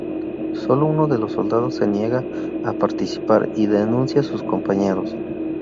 Solo uno de los soldado se niega a participar y denuncia a sus compañeros.